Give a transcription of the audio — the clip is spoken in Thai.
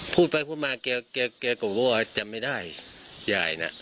พูดไปพูดมาคงไม่รู้เลย